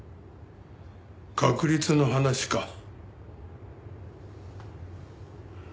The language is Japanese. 確率の話か？